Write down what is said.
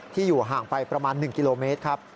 อยู่ห่างไปประมาณ๑กิโลเมตรครับ